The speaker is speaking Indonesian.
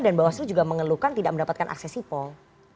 dan bawah selu juga mengeluhkan tidak mendapatkan akses sipol